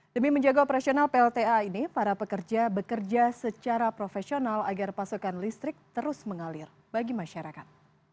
demi menjaga operasional plta ini para pekerja bekerja secara profesional agar pasokan listrik terus mengalir bagi masyarakat